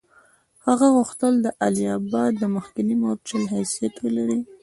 هغه غوښتل اله آباد د مخکني مورچل حیثیت ولري.